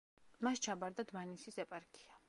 მას ჩაბარდა დმანისის ეპარქია.